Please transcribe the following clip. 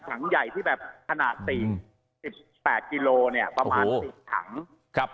ถังใหญ่ที่แบบขนาดสี่สิบแปดกิโลเนี่ยประมาณสี่ถังครับ